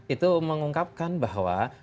itu mengungkapkan bahwa